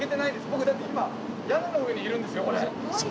僕だって今屋根の上にいるんですよ。